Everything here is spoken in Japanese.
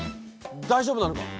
大丈夫なのか？